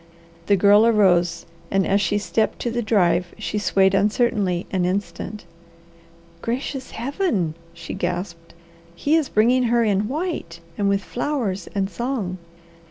The Girl arose and as she stepped to the drive she swayed uncertainly an instant. "Gracious Heaven!" she gasped. "He is bringing her in white, and with flowers and song!"